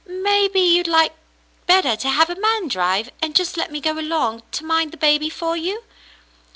Maybe you'd like better to have a man drive, and just let me go along to mind the baby for you."